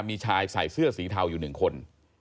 มีชายใส่เสื้อสีเทาอยู่๑คน